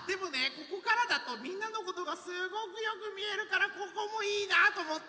ここからだとみんなのことがすごくよくみえるからここもいいなあとおもって。